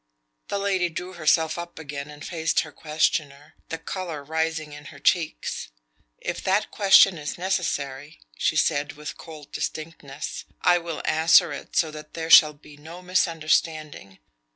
The lady drew herself up again and faced her questioner, the color rising in her cheeks. "If that question is necessary," she said with cold distinctness, "I will answer it so that there shall be no misunderstanding.